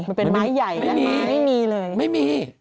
มันเป็นไม้ใหญ่นะไม้ไม่มีเลยไม่มี